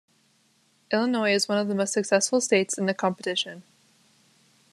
Illinois is one of the most successful states in the competition.